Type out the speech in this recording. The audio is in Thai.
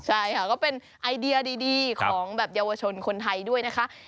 ใช่ค่ะก็เป็นไอเดียดีของแบบเยาวชนคนไทยด้วยนะคะ